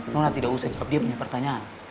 nona tidak usah jawab dia punya pertanyaan